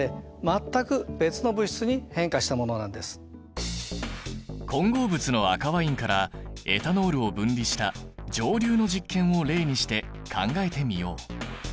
一方混合物の赤ワインからエタノールを分離した蒸留の実験を例にして考えてみよう。